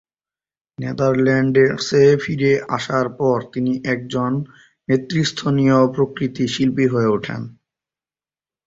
নেদারল্যান্ডসে ফিরে আসার পর তিনি একজন নেতৃস্থানীয় প্রতিকৃতি শিল্পী হয়ে ওঠেন।